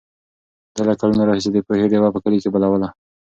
ده له کلونو راهیسې د پوهې ډېوه په کلي کې بلوله.